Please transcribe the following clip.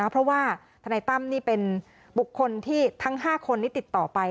เพราะว่าทนายตั้มนี่เป็นบุคคลที่ทั้ง๕คนนี้ติดต่อไป